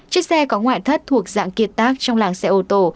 chiếc xe có ngoại thất thuộc dạng kiệt tác trong làng xe ô tô